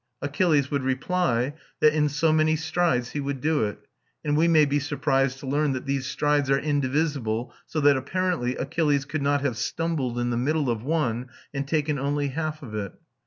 Achilles would reply that in so many strides he would do it; and we may be surprised to learn that these strides are indivisible, so that, apparently, Achilles could not have stumbled in the middle of one, and taken only half of it.